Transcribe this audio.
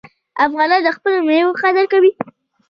افغانان د خپلو میوو قدر کوي.